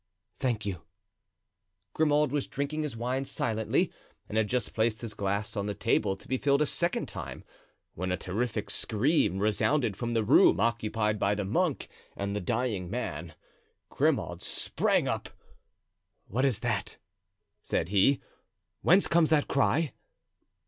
"Thank you." Grimaud was drinking his wine silently and had just placed his glass on the table to be filled a second time, when a terrific scream resounded from the room occupied by the monk and the dying man. Grimaud sprang up. "What is that?" said he; "whence comes that cry?"